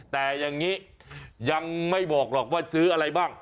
แต่อย่างนี้ยังไม่บอกหรอกว่าซื้ออะไรบ้าง